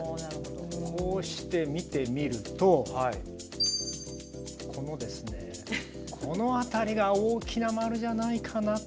こうして見てみるとこのですねこの辺りが大きな丸じゃないかなと。